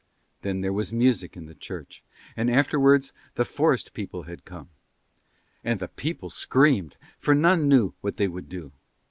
Then there was music in the church. And afterwards the forest people had come. And the people screamed, for none knew what they would do.